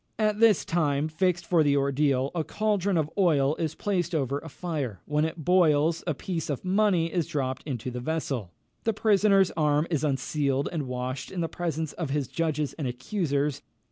At the time fixed for the ordeal, a caldron of oil is placed over a fire; when it boils, a piece of money is dropped into the vessel; the prisoner's arm is unsealed and washed in the presence of his judges and accusers.